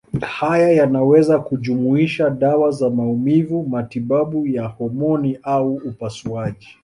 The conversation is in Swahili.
Haya yanaweza kujumuisha dawa za maumivu, matibabu ya homoni au upasuaji.